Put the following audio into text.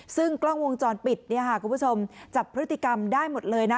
ซึ่งกล้องวงจรปิดเนี่ยค่ะคุณผู้ชมจับพฤติกรรมได้หมดเลยนะ